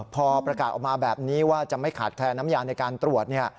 พอประกาศออกมาแบบนี้ว่าจะไม่ขาดแคลนน้ำยาในการตรวจ